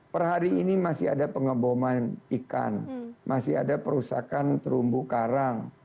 per hari ini masih ada pengeboman ikan masih ada perusakan terumbu karang